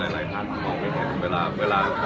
อ๋อไม่นะครับผมก็เป็นเป็นของพวกเราแต่ไหนและไรล่ะ